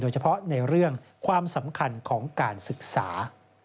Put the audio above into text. เฉพาะในเรื่องความสำคัญของการศึกษา